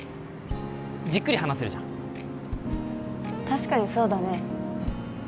じっくり話せるじゃん確かにそうだね